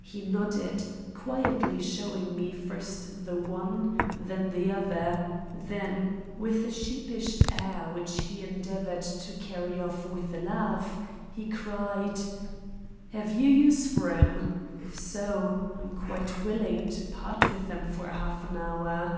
He nodded, quietly showing me first the one, then the other; then with a sheepish air which he endeavored to carry of with a laugh, he cried: "Have you use for 'em? If so, I'm quite willing to part with 'em for a half hour."